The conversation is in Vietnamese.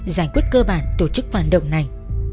giải quyết cơ bản tổ chức phản động này